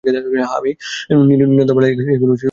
হ্যাঁ, আমি নিশান্তির বালি দিয়ে এগুলো তৈরি করেছি।